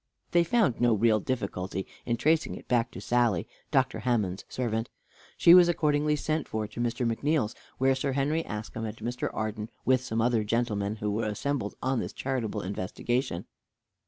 They found no real difficulty in tracing it back to Sally, Dr. Hammond's servant. She was accordingly sent for to Mr. McNeal's, where Sir Henry Askham and Mr. Arden, with some other gentlemen, were assembled on this charitable investigation.